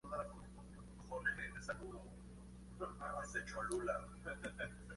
Esta coproducción hispano-canadiense fue muy elogiada en el Festival Internacional de Cine de Berlín.